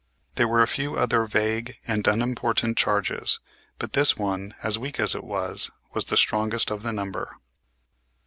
There were a few other vague and unimportant charges, but this one, as weak as it was, was the strongest of the number.